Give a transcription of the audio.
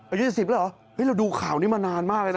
อายุ๒๐แล้วเหรอเราดูข่าวนี้มานานมากเลยนะ